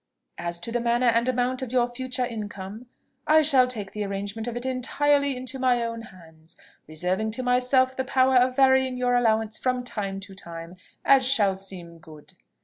As to the manner and amount of your future income, I shall take the arrangement of it entirely into my own hands, reserving to myself the power of varying your allowance from time to time, as shall seem good.